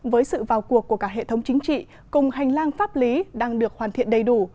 với sự vào cuộc của cả hệ thống chính trị cùng hành lang pháp lý đang được hoàn thiện đầy đủ